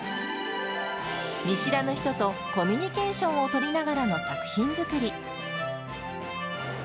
見知らぬ人とコミュニケーションを取りながらの作品づくり。